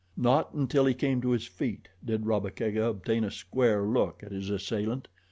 Not until he came to his feet did Rabba Kega obtain a square look at his assailant.